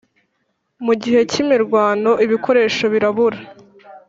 Mu gihe cy imirwano ibikoresho birabura